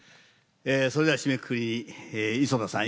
それでは締めくくり磯田さん